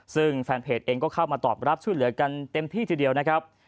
ซึ่งแฟนเพจเองก็เข้ามาตอบรับช่วยเหลือกันเต็มที่ทีเดียวนะครับ